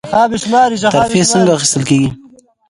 ترفیع څنګه اخیستل کیږي؟